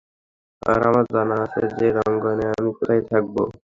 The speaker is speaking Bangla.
আর আমার জানা আছে যে, রণাঙ্গনে আমি কোথায় থাকব।